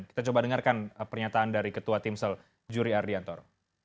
kita coba dengarkan pernyataan dari ketua timsel juri ardiantoro